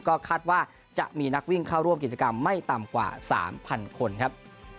ก็คาดว่าจะมีนักวิ่งเข้าร่วมกิจกรรมไม่ต่ำกว่า๓๐๐คนครับ